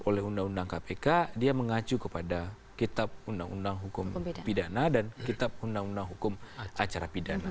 oleh undang undang kpk dia mengacu kepada kitab undang undang hukum pidana dan kitab undang undang hukum acara pidana